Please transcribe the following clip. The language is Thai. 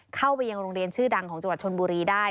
เข้าไปยังโรงเรียนชื่อดังของจังหวัดชนบุรีได้